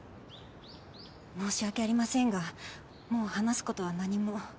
申し訳ありませんがもう話す事は何も。